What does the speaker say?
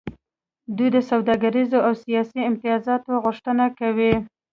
دوی د سوداګریزو او سیاسي امتیازاتو غوښتنه کوي